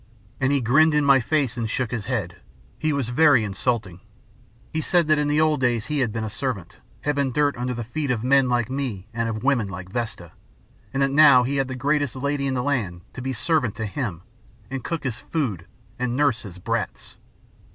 And he grinned in my face and shook his head. He was very insulting. He said that in the old days he had been a servant, had been dirt under the feet of men like me and of women like Vesta, and that now he had the greatest lady in the land to be servant to him and cook his food and nurse his brats.